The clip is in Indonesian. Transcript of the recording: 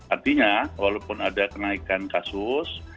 artinya walaupun ada kenaikan kasus